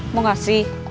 mau gak sih